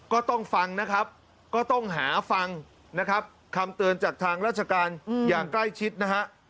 ก็ต้องฟังนะครับก็ต้องหาฟังนะครับคำเตือนจากทางราชการอย่างใกล้ชิดนะฮะ